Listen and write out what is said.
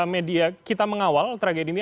media kita mengawal tragedi ini